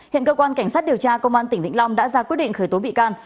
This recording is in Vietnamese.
hiện cơ quan cảnh sát điều tra công an tỉnh vĩnh long đã ra quyết định khởi tố bị can